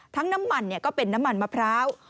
น้ำมันก็เป็นน้ำมันมะพร้าว